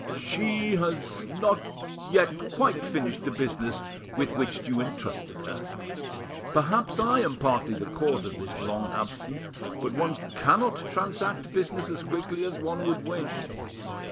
"She has not yet quite finished the business with which you entrusted her. Perhaps I am partly the cause of this long absence, but one cannot transact business as quickly as one would wish.